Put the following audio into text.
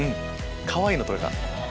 かわいいの撮れた。